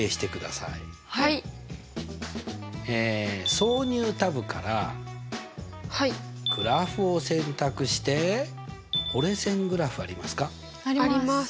挿入タブからグラフを選択して折れ線グラフありますか？